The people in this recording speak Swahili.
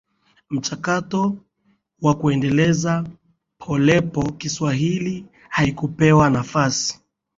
mchakato wa kukiendeleza polepo Kiswahili hakikupewa nafasi